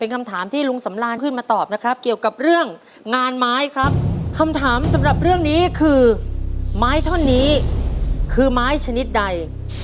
คำถามสำหรับเรื่องนี้คือไม้ท่อนนี้คือไม้ชนิดใด